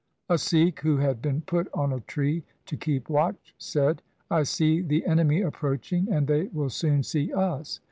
A Sikh who had been put on a tree to keep watch said, ' I see the enemy approaching, and they will soon see us.'